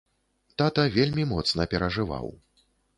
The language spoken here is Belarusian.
Тата вельмі моцна перажываў.